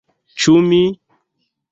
Ĉu mi!?